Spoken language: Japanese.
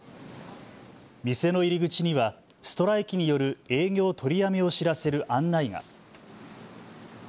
店の入り口にはストライキによる営業取りやめを知らせる案内が。